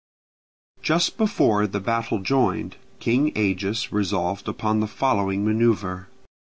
Just before the battle joined, King Agis resolved upon the following manoeuvre.